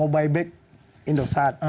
bayi bek indosat